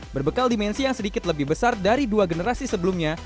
berbekal dimensi yang sedikit lebih besar dari dua generasi sebelumnya